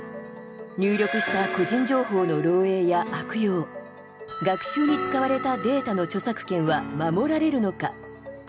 入力した個人情報の漏えいや悪用学習に使われたデータの著作権は守られるのか。